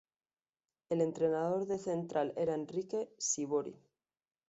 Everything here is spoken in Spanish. El entrenador de Central era Enrique Sívori.